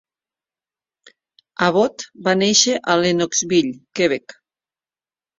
Abbott va néixer a Lennoxville, Quebec.